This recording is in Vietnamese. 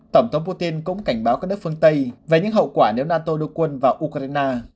tổng thống putin cũng cảnh báo các nước phương tây về những hậu quả nếu nato đưa quân vào ukraine